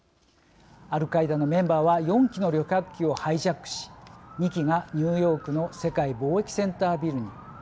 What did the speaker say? アルカイダのメンバーは４機の旅客機をハイジャックし２機がニューヨークの世界貿易センタービルに。